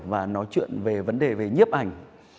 và nói chuyện về vấn đề về nhếp ảnh